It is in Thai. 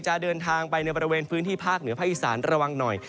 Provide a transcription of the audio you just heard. จะเดินทางไปในบริเวณพื้นที่ภาคเหนือภาคอีสานระวังหน่อย